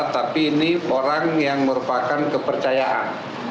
tapi ini orang yang merupakan kepercayaan